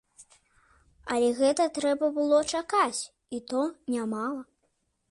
Але гэта трэба было чакаць, і то нямала.